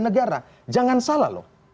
negara jangan salah loh